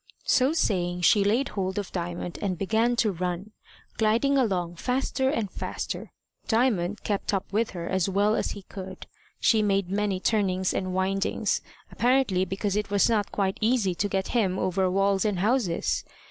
So saying, she laid hold of Diamond and began to run, gliding along faster and faster. Diamond kept up with her as well as he could. She made many turnings and windings, apparently because it was not quite easy to get him over walls and houses.